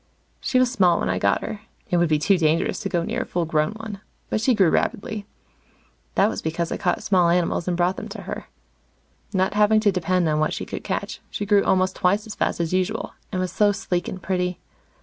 She was small when I got her it would be too dangerous to go near a full grown one but she grew rapidly. That was because I caught small animals and brought them to her. Not having to depend on what she could catch, she grew almost twice as fast as usual, and was so sleek and pretty.